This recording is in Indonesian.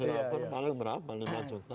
di singapura paling berapa